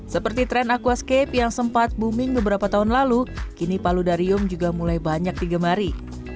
seperti tren aquascape yang sempat booming beberapa tahun lalu kini paludarium juga mulai banyak digemari